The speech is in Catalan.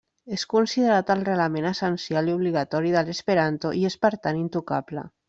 És considerat el reglament essencial i obligatori de l'esperanto i és per tant intocable.